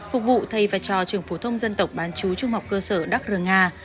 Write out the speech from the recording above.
phục vụ thay và cho trường phổ thông dân tộc bán chú trung học cơ sở đắc rờ nga